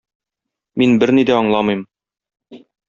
Мин берни дә аңламыйм...